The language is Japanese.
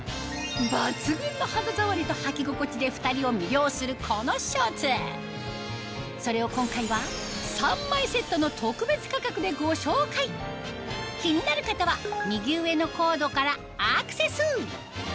抜群の肌触りとはき心地でそれを今回は３枚セットの特別価格でご紹介気になる方は右上のコードからアクセス！